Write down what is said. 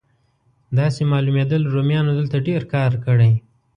داسې معلومېدل رومیانو دلته ډېر کار کړی.